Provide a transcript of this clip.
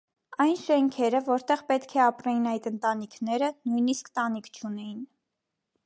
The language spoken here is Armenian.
Այն շենքերը, որտեղ պետք է ապրեին այդ ընտանիքները, նույնիսկ տանիք չունեին։